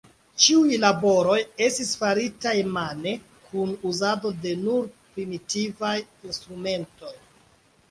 Ĉiuj laboroj estis farataj mane kun uzado de nur primitivaj instrumentoj.